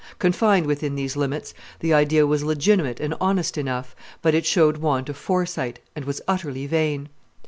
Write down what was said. Confined within these limits, the idea was legitimate and honest enough, but it showed want of foresight, and was utterly vain.